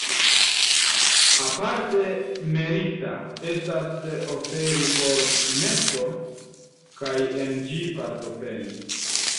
Aparte merita estas oferi por meso kaj en ĝi partopreni.